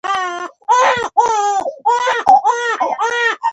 د اورېدو پر وخت پریشان کېږو.